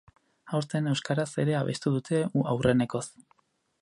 Aurten euskaraz ere abestu dute aurrenekoz.